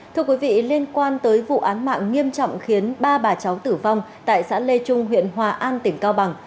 thưa quý vị liên quan tới vụ án mạng nghiêm trọng khiến ba bà cháu tử vong tại xã lê trung huyện hòa an tỉnh cao bằng